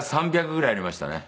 ３００ぐらいやりましたね。